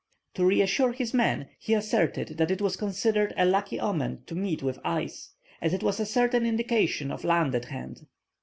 To reassure his men, he asserted that it was considered a lucky omen to meet with ice, as it was a certain indication of land at hand.